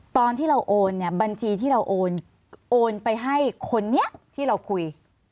ตอนที่เราโอนเนี่ยบัญชีที่เราโอนไปให้คนนี้ที่เราคุย